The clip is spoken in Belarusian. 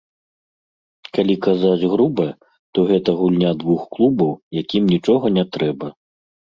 Калі казаць груба, то гэта гульня двух клубаў, якім нічога не трэба.